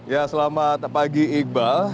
ya selamat pagi iqbal